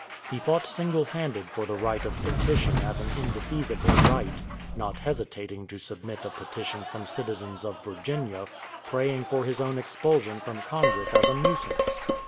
He fought single handed for the right of petition as an indefeasible right, not hesitating to submit a petition from citizens of Virginia praying for his own expulsion from Congress as a nuisance.